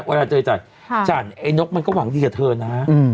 เวลาเจอไอ้จันทร์จันทร์ไอ้นกมันก็หวังดีกับเธอนะ